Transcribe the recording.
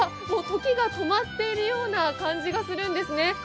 もう時が止まっているような感じがするんですね。